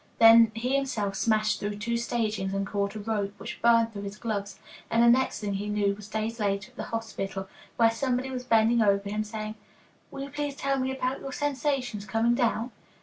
Then he himself smashed through two stagings and caught at a rope, which burned through his gloves, and the next thing he knew was days later at the hospital, where somebody was bending over him saying: "Will you please tell me about your sensations coming down?"